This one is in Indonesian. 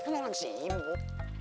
kan orang sibuk